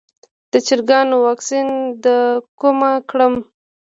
د چرګانو واکسین له کومه کړم؟